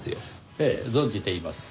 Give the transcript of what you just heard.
ええ存じています。